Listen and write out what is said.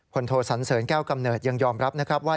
โทสันเสริญแก้วกำเนิดยังยอมรับนะครับว่า